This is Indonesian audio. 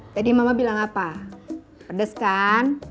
tadi mama bilang apa pedes kan